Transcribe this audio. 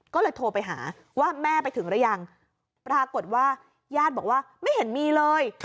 ก็เลยโทรไปหาว่าแม่ไปถึงหรือยังปรากฏว่าญาติบอกว่าไม่เห็นมีเลย